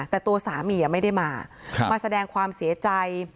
แต่ตัวสามีไม่ได้มามาแสดงความเสียใจ